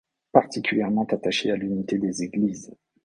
Particulièrement attaché à l'unité des Églises.